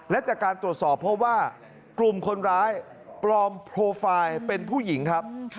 และจากการตรวจสอบพบว่ากลุ่มคนร้ายปลอมโปรไฟล์เป็นผู้หญิงครับ